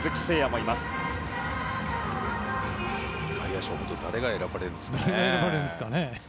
本当に外野手は誰が選ばれるんですかね。